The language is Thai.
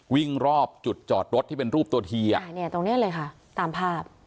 วิ่งรอบจุดจอดรถที่เป็นรูปตัวทีตรงนี้เลยค่ะตามภาพ